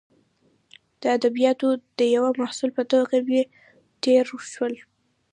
د ادبیاتو د یوه محصل په توګه مې تیر شول.